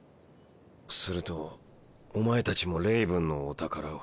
するとお前たちもレイブンのお宝を？